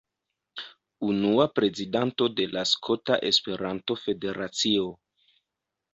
Unua prezidanto de la Skota Esperanto-Federacio.